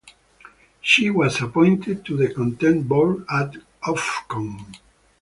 She was appointed to the Content Board at Ofcom.